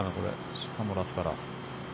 しかもラフから。